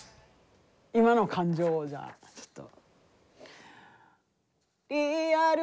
今の感情をじゃあちょっと。